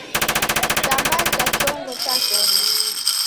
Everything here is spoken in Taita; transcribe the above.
Kitambaa cha chongo chashonwa